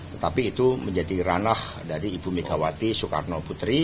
tetapi itu menjadi ranah dari ibu megawati soekarno putri